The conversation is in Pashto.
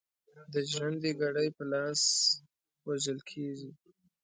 د ژرند ګړي په لاس وژل کیږي.